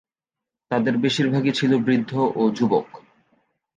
তাদের বেশিরভাগই ছিল বৃদ্ধ ও যুবক।